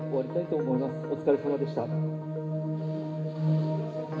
お疲れさまでした。